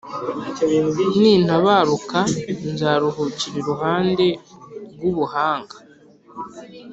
Nintabaruka nzaruhukira iruhande rw’Ubuhanga,